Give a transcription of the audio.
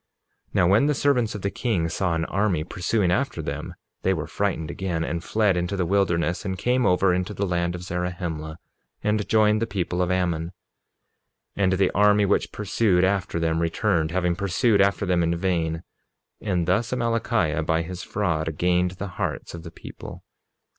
47:29 Now when the servants of the king saw an army pursuing after them, they were frightened again, and fled into the wilderness, and came over into the land of Zarahemla and joined the people of Ammon. 47:30 And the army which pursued after them returned, having pursued after them in vain; and thus Amalickiah, by his fraud, gained the hearts of the people.